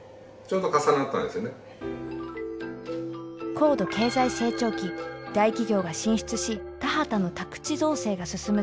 高度経済成長期大企業が進出し田畑の宅地造成が進む